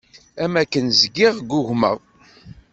Am akken zgiɣ ggugmeɣ.